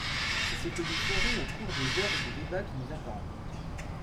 C’est ce que nous ferons au cours des heures de débat qui nous attendent.